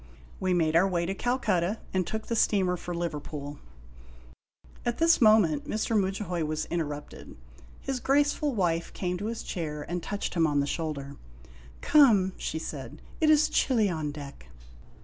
We made our way to Calcutta, and took the steamer for Liverpool. At this moment Mr. Mudjahoy was interrupted. His graceful wife came to his chair and touched him on the shoulder. " Come," she said. " It is chilly on deck."